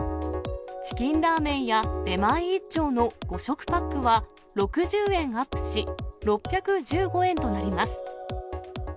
チキンラーメンや出前一丁の５食パックは、６０円アップし、６１５円となります。